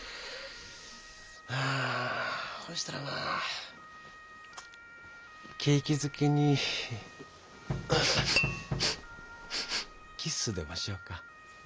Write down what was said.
はあほしたらまあ景気づけにキッスでもしよか。